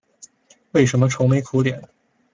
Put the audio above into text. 为什么愁眉苦脸？